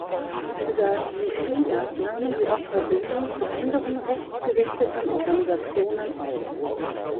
Über Nishida nahmen sie auch Verbindung zu anderen rechtsgerichteten Organisationen auf.